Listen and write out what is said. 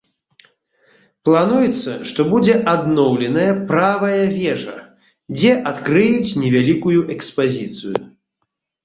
Плануецца, што будзе адноўленая правая вежа, дзе адкрыюць невялікую экспазіцыю.